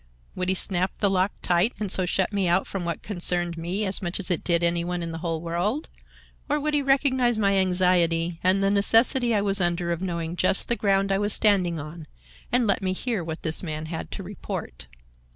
Would he snap the lock tight, and so shut me out from what concerned me as much as it did any one in the whole world? Or would he recognize my anxiety—the necessity I was under of knowing just the ground I was standing on—and let me hear what this man had to report?